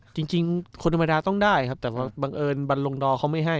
จริงคนธรรมดาต้องได้ครับแต่บังเอิญบันลงดอเขาไม่ให้